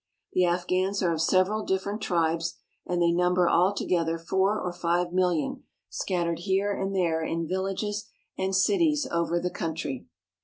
The Afghans are of several different tribes, and they number all together four or five millions, scattered here and there in villages and cities over the country.